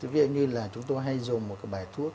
ví dụ như là chúng tôi hay dùng một cái bài thuốc